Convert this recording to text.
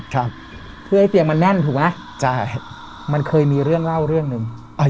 ครับเพื่อให้เตียงมันแน่นถูกไหมใช่มันเคยมีเรื่องเล่าเรื่องหนึ่งอ่า